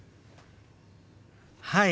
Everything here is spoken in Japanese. はい！